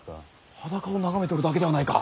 裸を眺めておるだけではないか！